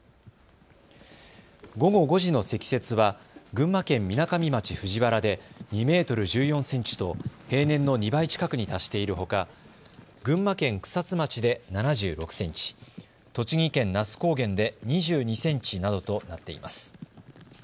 午後５時の積雪は群馬県みなかみ町藤原で２メートル１４センチと平年の２倍近くに達しているほか群馬県草津町で７６センチ、栃木県那須高原で２２センチなどとなっています。